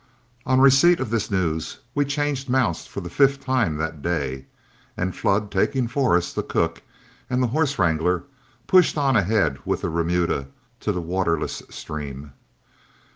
On receipt of this news, we changed mounts for the fifth time that day; and Flood, taking Forrest, the cook, and the horse wrangler, pushed on ahead with the remuda to the waterless stream.